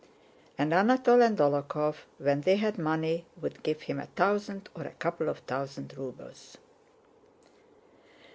And Anatole and Dólokhov, when they had money, would give him a thousand or a couple of thousand rubles.